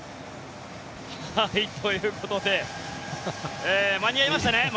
ということで間に合いましたね？